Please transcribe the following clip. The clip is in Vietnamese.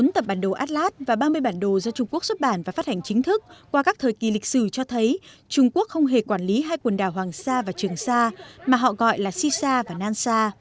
bốn tập bản đồ atlas và ba mươi bản đồ do trung quốc xuất bản và phát hành chính thức qua các thời kỳ lịch sử cho thấy trung quốc không hề quản lý hai quần đảo hoàng sa và trường sa mà họ gọi là xi sa và nan sa